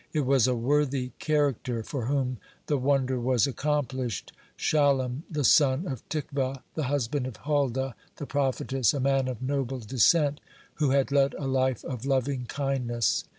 It was a worthy character for whom the wonder was accomplished Shallum the son of Tikvah, the husband of Huldah the prophetess, a man of noble descent, who had led a life of lovingkindness.